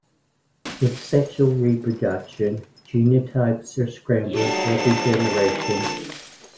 With sexual reproduction, genotypes are scrambled every generation.